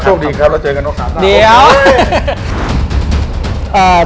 ช่วงดีครับแล้วเจอกันโอกาสหน้า